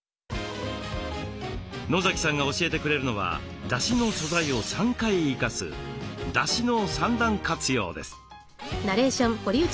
野さんが教えてくれるのはだしの素材を３回生かす「だしの三段活用」です。